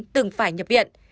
từng phải nhập viện